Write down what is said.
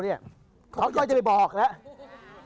เขาก็จะไปบอกแล้ว